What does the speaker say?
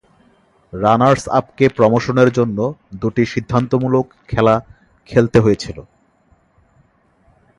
রানার্স-আপকে প্রমোশনের জন্য দুটি সিদ্ধান্তমূলক খেলা খেলতে হয়েছিল।